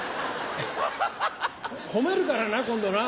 褒めるからな今度な。